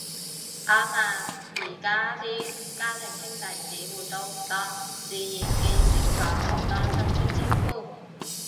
啱呀，而家啲家庭兄弟姊妹都唔多，自然記少咗好多親戚稱呼